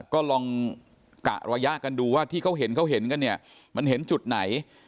ก็ลองกะระยะกันดูว่าที่เขาเห็นเขาเห็นกันเนี่ยมันเห็นจุดไหน